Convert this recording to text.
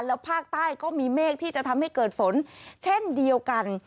แล้วภาคใต้ก็มีเมฆที่จะทำให้เกิดฝนเช่นเดียวกัน